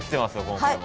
今回も。